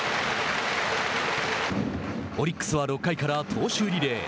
オリックスは６回から投手リレー。